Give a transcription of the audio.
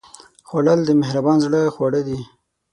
خوړل د مهربان زړه خواړه دي